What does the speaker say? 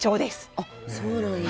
あっそうなんだ。